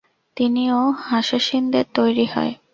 তিনি ও হাসাসিনদের তৈরি হয়।